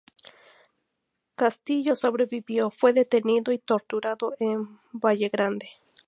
Castillo sobrevivió, fue detenido y torturado en Vallegrande.